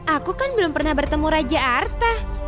aku kan belum pernah bertemu raja artha